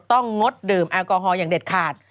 งดดื่มแอลกอฮอลอย่างเด็ดขาด